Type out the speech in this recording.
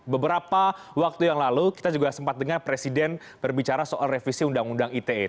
beberapa waktu yang lalu kita juga sempat dengar presiden berbicara soal revisi undang undang ite